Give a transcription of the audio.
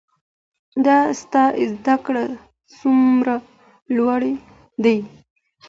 د تا زده کړي څومره لوړي دي